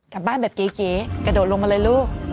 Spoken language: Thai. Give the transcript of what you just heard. กลับบ้านแบบเก๋กระโดดลงมาเลยลูก